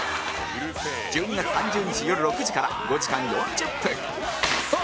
１２月３０日よる６時から５時間４０分